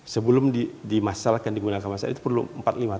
sebelum dimasalkan digunakan masalah itu perlu empat lima tahun